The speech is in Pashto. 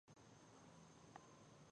آیا پلونه ترمیم کیږي؟